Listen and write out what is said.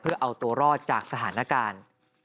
เพื่อเอาตัวรอดจากสถานการณ์